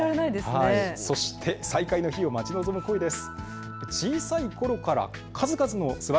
そして再開の日を待ち望む声です。